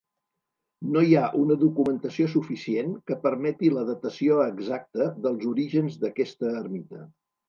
No hi ha una documentació suficient que permeti la datació exacta dels orígens d'aquesta ermita.